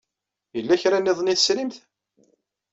Yella kra niḍen ay tesrimt?